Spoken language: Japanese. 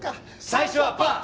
最初はパー！